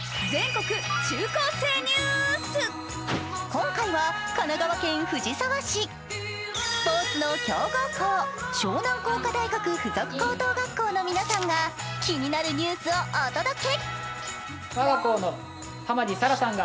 今回は神奈川県藤沢市、スポーツの強豪校、湘南工科大学附属高等学校の皆さんが気になるニュースをお届け。